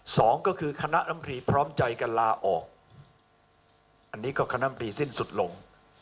สองก็คือคณะลำตรีพร้อมใจกันลาออกอันนี้ก็คณะมตรีสิ้นสุดลง